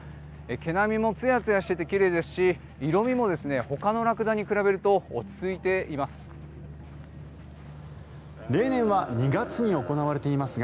毛並みもつやつやしていて奇麗ですし色味もほかのラクダに比べると落ち着いています。